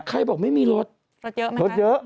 ใครบอกไม่มีรถรถเยอะมากรถรถเยอะ